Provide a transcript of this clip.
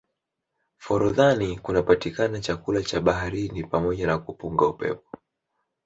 forodhani kunapatikana chakula cha baharini pamoja na kupunga upepo